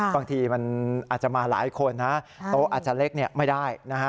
บางทีมันอาจจะมาหลายคนนะโต๊ะอาจจะเล็กไม่ได้